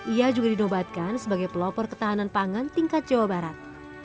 ia juga dinobatkan sebagai pelopor ketahanan pangan tingkat jawa barat